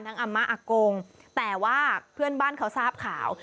อาม่าอากงแต่ว่าเพื่อนบ้านเขาทราบข่าว